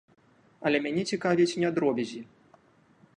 Але мяне цікавяць не дробязі.